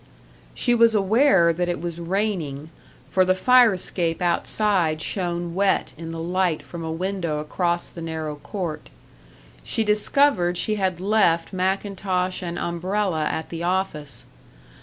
She was aware that it was raining, for the fire escape outside shone wet in the light from a window across the narrow court. She discovered she had left mackintosh and umbrella at the office.